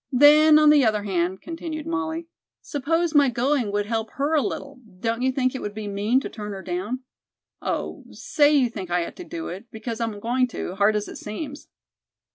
"Then, on the other hand," continued Molly, "suppose my going would help her a little, don't you think it would be mean to turn her down? Oh, say you think I ought to do it, because I'm going to, hard as it seems."